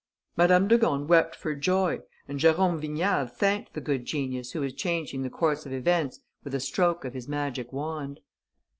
Madame de Gorne wept for joy and Jérôme Vignal thanked the good genius who was changing the course of events with a stroke of his magic wand.